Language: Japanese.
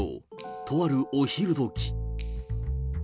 とあるお昼どき。